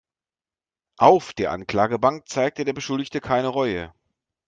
Auf der Anklagebank zeigte der Beschuldigte keine Reue.